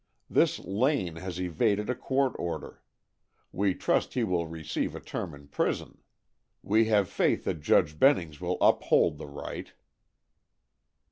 This Lane has evaded a court order. We trust he will receive a term in prison. We have faith that Judge Bennings will uphold the right."